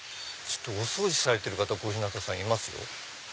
お掃除されてる方小日向さんいますよ。